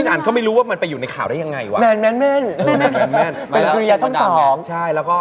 อ๊ะเดี่ยวรู้จัก